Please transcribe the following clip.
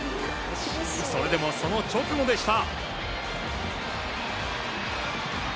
それでもその直後でした。